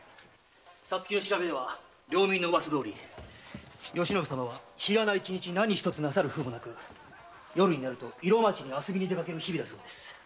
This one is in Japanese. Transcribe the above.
皐月の調べでは噂どおり嘉信様は一日中何一つなさる風もなく夜になると色街に遊びに出かける日々だそうです。